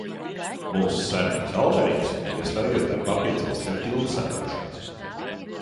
Mūsu saimnieks Alberings bija iestājies darbā pie dzelzceļa tilta sargāšanas.